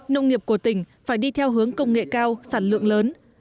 nông nghiệp của tỉnh phải đi theo hướng công nghệ cao sản lượng lớn